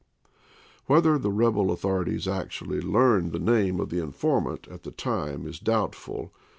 Whether the rebel author ities actually learned the name of the informant at the time is doubtful.